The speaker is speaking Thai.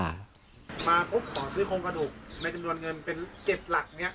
มาปุ๊บขอซื้อโครงกระดูกในจำนวนเงินเป็น๗หลักเนี่ย